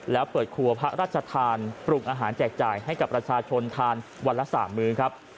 แล้วเปิดครัวพระราชทานปรุงอาหารแจกจ่ายให้กับประชาชนทานวันละ๓มื้อครับ